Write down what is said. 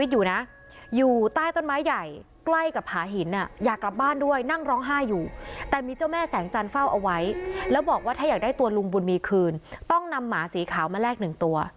อยู่ใต้ต้นไม้ใหญ่ใกล้กับผาหินอ่ะอยากกลับบ้านด้วยนั่งร้องห้าอยู่แต่มีเจ้าแม่แสงจันทร์เฝ้าเอาไว้แล้วบอกว่าถ้าอยากได้ตัวลุงบุญมีคืนต้องนำหมาสีขาวมาแลก๑ตัว